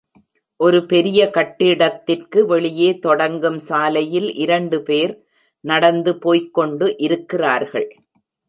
ஒரு பெரிய கட்டிடத்திற்கு வெளியே தொடங்கும் சாலையில் இரண்டு பேர் நடந்து போய்க்கொண்டு இருக்கிறார்கள்.